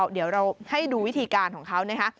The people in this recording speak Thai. เดี๋ยวเราให้ดูวิธีการของเขานะคะ